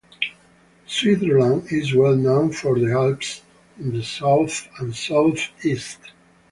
Switzerland is well known for the Alps in the south and south east.